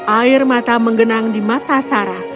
air mata menggenang di mata sarah